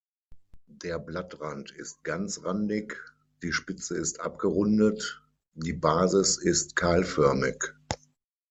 Der Blattrand ist ganzrandig, die Spitze ist abgerundet, die Basis ist keilförmig.